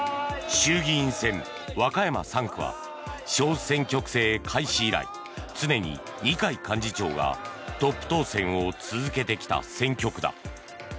衆議院選、和歌山３区は小選挙区制開始以来常に二階幹事長がトップ当選を続けてきた選挙区だ。